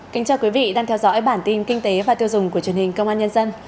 kính chào quý vị đang theo dõi bản tin kinh tế và tiêu dùng của truyền hình công an nhân dân